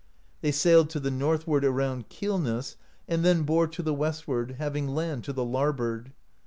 They sailed to the northward around Keelness, and then bore to the westw^ard, having land to the larboard.